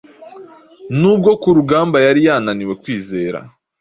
Nubwo kurugamba yari yananiwe kwizera